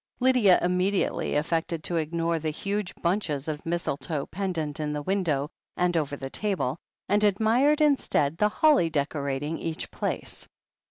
Lydia immediately af fected to ignore the huge btmches of mistletoe pendant in the window and over the table, and admired instead the holly decorating each place.